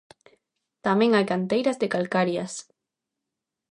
Tamén hai canteiras de calcarias.